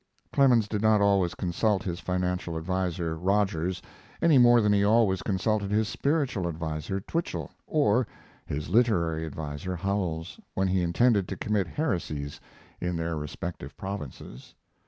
Clemens did not always consult his financial adviser, Rogers, any more than he always consulted his spiritual adviser, Twichell, or his literary adviser, Howells, when he intended to commit heresies in their respective provinces.